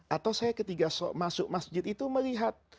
atau saya ketika masuk masjid itu melihat